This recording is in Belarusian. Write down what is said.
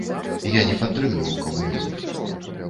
Я не падтрымліваў камунізм.